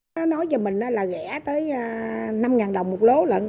nó nói cho mình là rẻ tới năm đồng một lố lận